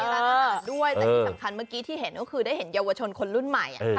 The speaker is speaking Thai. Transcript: แต่ที่สำคัญเมื่อกี้ที่เห็นก็คือได้เห็นเยาวชนคนรุ่นใหม่